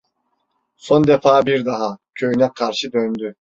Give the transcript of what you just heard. Son defa bir daha, köyüne karşı döndü.